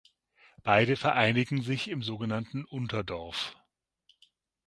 Beide vereinigen sich im so genannten „Unterdorf“.